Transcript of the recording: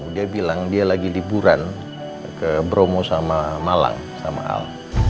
dia bilang dia lagi liburan ke bromo sama malang sama al